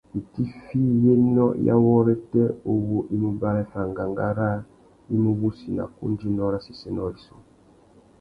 Itiffiyénô ya wôrêtê uwú i mú baraffia angangá râā i mú wussi nà kundzénô râ séssénô rissú.